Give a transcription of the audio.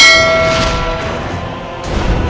assalamualaikum warahmatullahi wabarakatuh